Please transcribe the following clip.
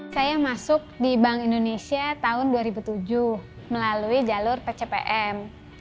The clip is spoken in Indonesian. saya masuk di bank indonesia tahun dua ribu tujuh melalui jalur pcpm